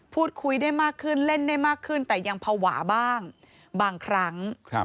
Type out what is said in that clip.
พูดคุยได้มากขึ้นเล่นได้มากขึ้นแต่ยังภาวะบ้างบางครั้ง